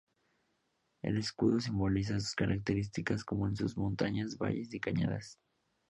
El escudo simboliza sus características como en sus montañas, valles y cañadas.